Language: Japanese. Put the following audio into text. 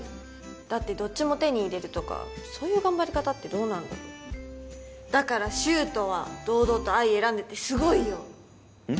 だってどっちも手に入れるとかそういう頑張り方ってどうなんだろだから柊人は堂々と愛選んでてすごいようん？